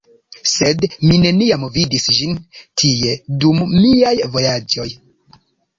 Sed mi neniam vidis ĝin tie dum miaj vojaĝoj.